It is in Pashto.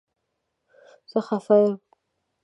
زه خفه یم